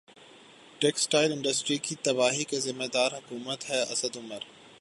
textile industry کی تباہی کی ذمہ دار حکومت ہے اسد عمر